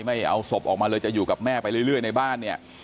ไม่เอาศพออกมาเลยจะอยู่กับแม่ไปเรื่อยในบ้านเนี่ย